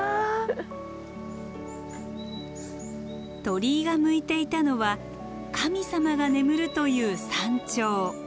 鳥居が向いていたのは神様が眠るという山頂。